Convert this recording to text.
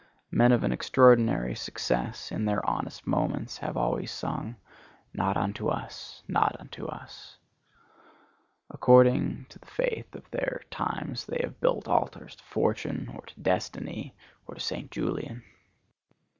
Men of an extraordinary success, in their honest moments, have always sung, 'Not unto us, not unto us.' According to the faith of their times they have built altars to Fortune, or to Destiny, or to St. Julian.